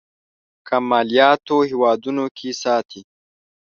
کم مالياتو هېوادونو کې ساتي.